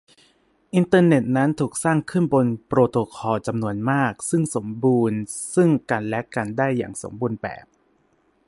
อินเทอร์เน็ตนั้นถูกสร้างขึ้นบนโปรโตคอลจำนวนมากซึ่งสมบูรณ์ซึ่งกันและกันได้อย่างสมบูรณ์แบบ